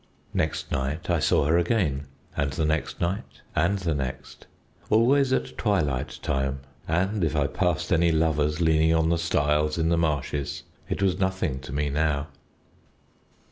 "Next night I saw her again; and the next night and the next. Always at twilight time; and if I passed any lovers leaning on the stiles in the marshes it was nothing to me now."